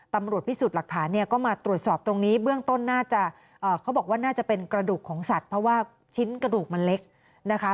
ตำรวจพิสูจน์หลักฐานเนี่ยก็มาตรวจสอบตรงนี้เบื้องต้นน่าจะเขาบอกว่าน่าจะเป็นกระดูกของสัตว์เพราะว่าชิ้นกระดูกมันเล็กนะคะ